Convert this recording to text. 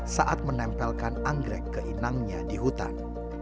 saat menempelkan anggrek ke inangnya di hutan